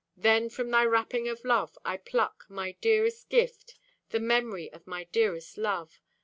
Then from thy wrapping of love I pluck My dearest gift, the memory of my dearest love.